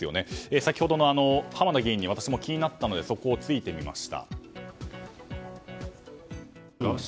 先ほどの浜田議員に私も気になったのでそこを聞いてみました。